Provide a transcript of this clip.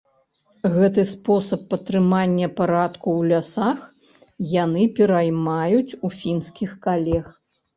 Гэты спосаб падтрымання парадку ў лясах яны пераймаюць у фінскіх калег.